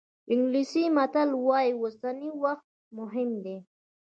انګلیسي متل وایي اوسنی وخت مهم دی.